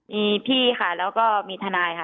มีพี่ค่ะแล้วก็มีทนายค่ะ